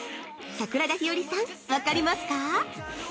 桜田ひよりさん、分かりますか？